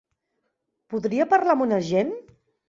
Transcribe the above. Podria parlar amb un agent?